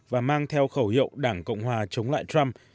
và mang theo khẩu hiệu đảng cộng hòa chống lại trump